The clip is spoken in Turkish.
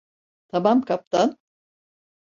Tamam kaptan.